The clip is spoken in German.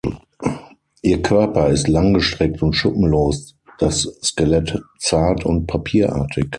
Ihr Körper ist langgestreckt und schuppenlos, das Skelett zart und papierartig.